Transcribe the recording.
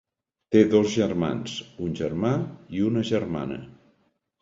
Té dos germans, un germà i una germana.